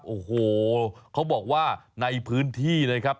โอ้โหเขาบอกว่าในพื้นที่นะครับ